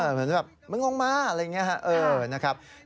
เหมือนแบบมึงลงมาอะไรอย่างนี้ครับ